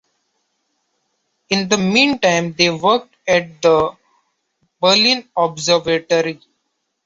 In the meantime, they worked at the Berlin Observatory.